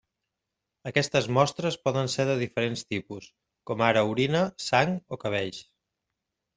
Aquestes mostres poden ser de diferents tipus, com ara orina, sang o cabells.